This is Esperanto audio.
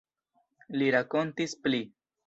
Li rakontis pli.